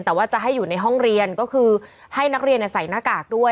แต่ว่าจะให้อยู่ในห้องเรียนก็คือให้นักเรียนใส่หน้ากากด้วย